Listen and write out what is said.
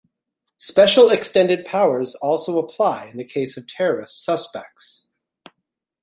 Special extended powers also apply in the case of terrorist suspects.